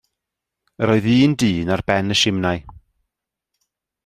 Yr oedd un dyn ar ben y simnai.